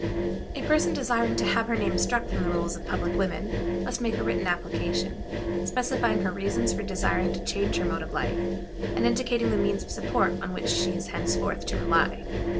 A person desiring to have her name struck from the rolls of public women must make a written application, specifying her reasons for desiring to change her mode of life, and indicating the means of support on which she is henceforth to rely.